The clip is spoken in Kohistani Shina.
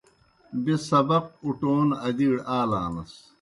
بیْہ سبق اُٹون ادِیڑ آلانَس۔